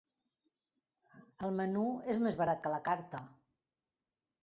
El menú és més barat que la carta.